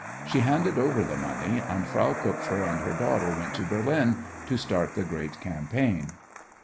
She handed over the money, and Frau Kupfer and her daughter went to Berlin to start the great campaign.